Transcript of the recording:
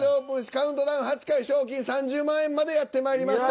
カウントダウン８回賞金３０万円までやってまいりました。